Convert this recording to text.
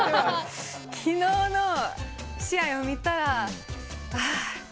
昨日の試合を見たらああ。